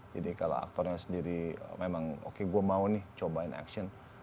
jadi kalau aktornya sendiri memang oke gue mau nih cobain action